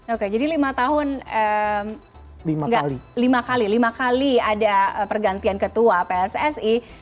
oke jadi lima tahun lima kali ada pergantian ketua pssi